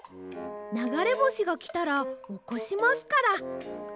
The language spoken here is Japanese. ながれぼしがきたらおこしますから。